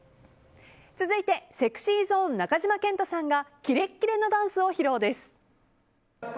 続いて、ＳｅｘｙＺｏｎｅ中島健人さんがキレッキレのダンスを披露です。